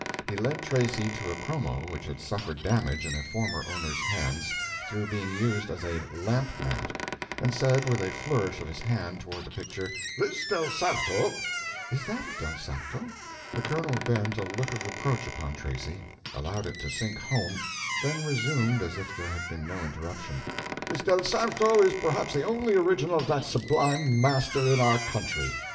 He led Tracy to a chromo which had suffered damage in a former owner's hands through being used as a lamp mat, and said, with a flourish of his hand toward the picture— "This del Sarto—" "Is that a del Sarto?" The colonel bent a look of reproach upon Tracy, allowed it to sink home, then resumed as if there had been no interruption— "This del Sarto is perhaps the only original of that sublime master in our country.